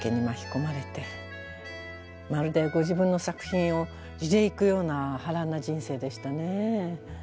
まるでご自分の作品を地でいくような波乱な人生でしたねぇ。